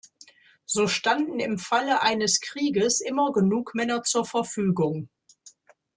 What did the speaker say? So standen im Falle eines Krieges immer genug Männer zur Verfügung.